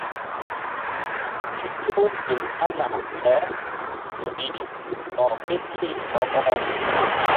Ɓil few gel zaŋna le mbih ɔh ké iri ɔ-ɔh.